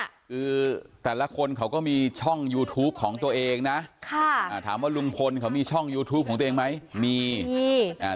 คือแต่ละคนเขาก็มีช่องยูทูปของตัวเองนะค่ะอ่าถามว่าลุงพลเขามีช่องยูทูปของตัวเองไหมมีมีอ่า